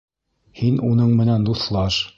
— Һин уның менән дуҫлаш.